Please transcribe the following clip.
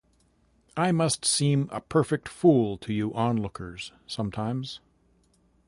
I must seem a perfect fool to you onlookers sometimes.